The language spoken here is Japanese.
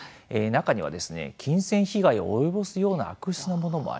中には金銭被害を及ぼすような悪質なものもあります。